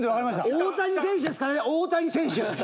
大谷選手ですからね大谷選手。